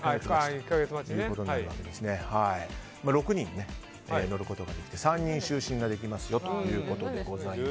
６人、乗ることができて３人就寝ができますよと。